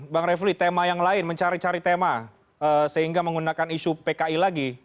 bang refli tema yang lain mencari cari tema sehingga menggunakan isu pki lagi